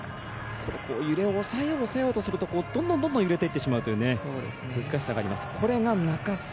ここ揺れを抑えよう抑えようとするとどんどん揺れていってしまう難しさがあります。